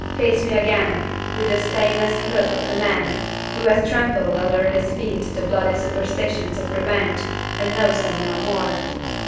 Face me again, with the stainless look of a man who has trampled under his feet the bloody superstitions of revenge, and knows them no more!